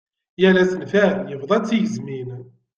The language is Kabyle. Yal asenfar, yebḍa d tigezmin.